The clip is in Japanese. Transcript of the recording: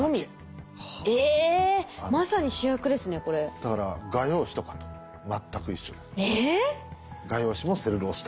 だから画用紙とかと全く一緒です。